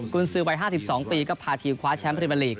กุญสือวัย๕๒ปีก็พาทีมคว้าแชมป์ริเวอร์ลีก